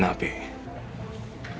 nama isinya siapa ya pak